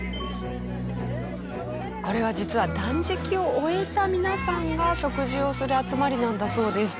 これは実は断食を終えた皆さんが食事をする集まりなんだそうです。